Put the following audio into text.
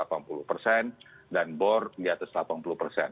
ada bor enam puluh delapan puluh persen dan bor di atas delapan puluh persen